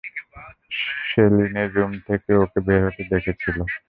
সে লিনির রুম থেকে ওকে বের হতে দেখেছিল!